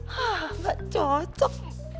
hah gak cocok